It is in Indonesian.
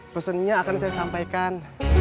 resennya akan saya sampaikan